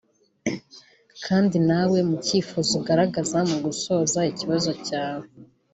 Kandi nawe mu cyifuzo ugaragaza mu gusoza ikibazo cyawe